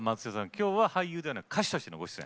今日は俳優ではなく歌手としてのご出演。